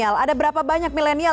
soal milenial ada berapa banyak milenial